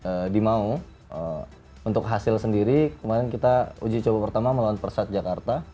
jadi mau untuk hasil sendiri kemarin kita uji coba pertama melawan persat jakarta